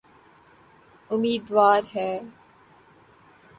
امیدوار ہے۔